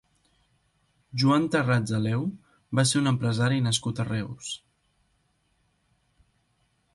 Joan Tarrats Aleu va ser un empresari nascut a Reus.